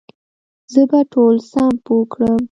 زه به ټول سم پوه کړم